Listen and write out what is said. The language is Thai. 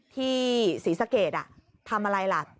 ที่ศรีษกรเกชอ่ะทำอะไรล่ะ